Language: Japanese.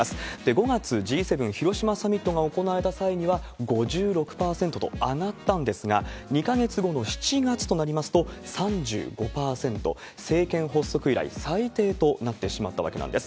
５月、Ｇ７広島サミットが行われた際には、５６％と上がったんですが、２か月後の７月となりますと、３５％、政権発足以来最低となってしまったわけなんです。